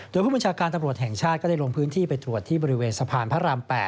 โดยผู้บัญชาการตำรวจแห่งชาติก็ได้ลงพื้นที่ไปตรวจที่บริเวณสะพานพระราม๘